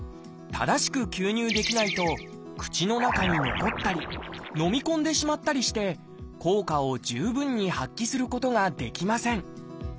正しく吸入できないと口の中に残ったりのみ込んでしまったりして効果を十分に発揮することができません